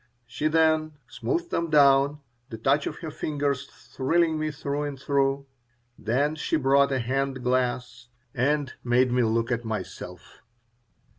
She then smoothed them down, the touch of her fingers thrilling me through and through. Then she brought a hand glass and made me look at myself.